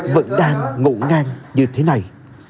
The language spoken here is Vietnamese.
vẫn đang ngộ ngang như thế này